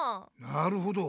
なるほど。